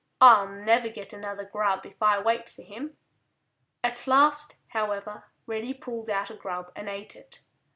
I'll never get another grub if I wait for him." At last, however, Reddy pulled out a grub and ate it.